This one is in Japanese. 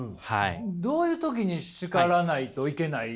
どういう時に叱らないといけない？